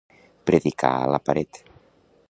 Predicar a la paret.